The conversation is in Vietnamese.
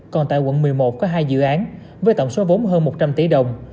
còn tại quận một mươi một có hai dự án với tổng số vốn hơn một trăm linh tỷ đồng